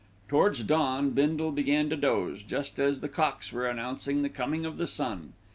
Towards dawn, Bindle began to doze, just as the cocks were announcing the coming of the sun.